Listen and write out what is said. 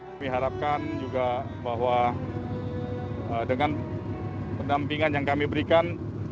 kami harapkan juga bahwa dengan pendampingan yang kami berikan